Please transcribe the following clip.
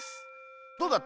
どうだった？